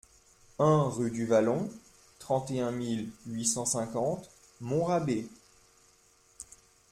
un rUE DU VALLON, trente et un mille huit cent cinquante Montrabé